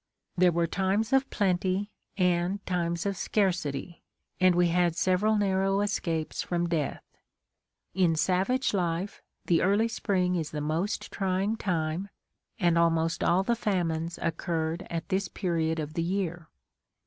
There were times of plenty and times of scarcity, and we had several narrow escapes from death. In savage life, the early spring is the most trying time and almost all the famines occurred at this period of the year.